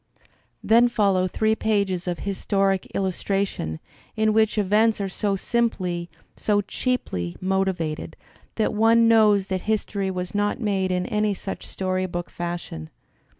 Then follow three pages of historic illustration, in which events are so simply, so cheaply, motived, that one knows that history was not made in any such story book fashion.